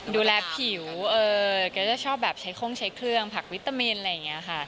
ดูแลผิวแกจะชอบแบบใช้โค้งใช้เครื่องผักวิตามินอะไรอย่างนี้ค่ะ